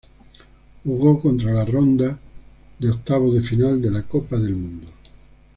Jugó contra en las ronda de octavos de final de la Copa del Mundo.